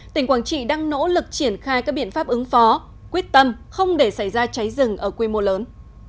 tỉnh quảng trị đang nỗ lực triển khai các biện pháp ứng phó quyết tâm không để xảy ra cháy rừng ở quy mô lớn